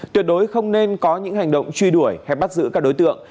tuyệt đối không nên có những hành động truy đuổi hay bắt giữ các đối tượng